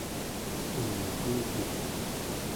uumikutut